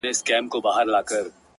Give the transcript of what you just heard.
• پر قاتل یې زیارت جوړ دی بختور دی,